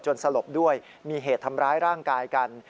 สลบด้วยมีเหตุทำร้ายร่างกายกัน